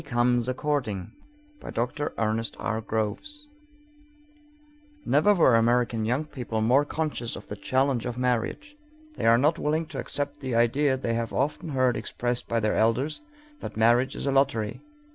Groves_ CHAPTER ONE When He Comes A Courting Never were American young people more conscious of the challenge of marriage. They are not willing to accept the idea they have often heard expressed by their elders that marriage is a lottery.